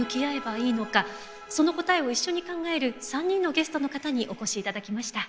その答えを一緒に考える３人のゲストの方にお越しいただきました。